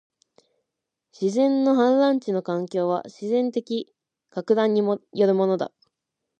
自然の氾濫地の環境は、自然的撹乱によるものだ